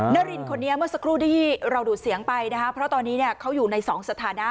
นารินคนนี้เมื่อสักครู่ที่เราดูดเสียงไปนะคะเพราะตอนนี้เนี่ยเขาอยู่ในสองสถานะ